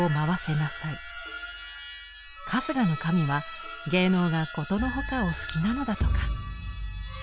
春日の神は芸能がことのほかお好きなのだとか。